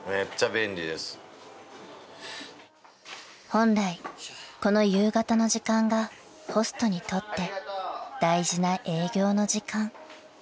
［本来この夕方の時間がホストにとって大事な営業の時間］